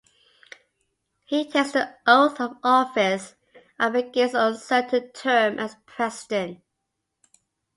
He takes the oath of office and begins an uncertain term as President.